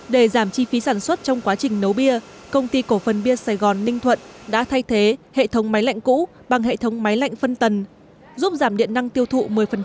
để giảm chi phí sản xuất trong quá trình nấu bia công ty cổ phần bia sài gòn ninh thuận đã thay thế hệ thống máy lạnh cũ bằng hệ thống máy lạnh phân tần giúp giảm điện năng tiêu thụ một mươi